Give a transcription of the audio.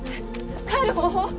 帰る方法？